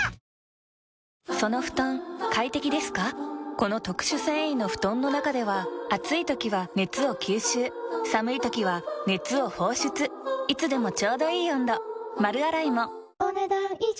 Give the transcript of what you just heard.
この特殊繊維の布団の中では暑い時は熱を吸収寒い時は熱を放出いつでもちょうどいい温度丸洗いもお、ねだん以上。